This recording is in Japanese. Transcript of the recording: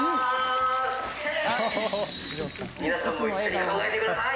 皆さんも一緒に考えてください！